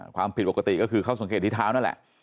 ความผิดปกติก็คือเขาสังเกตที่เท้านั่นแหละ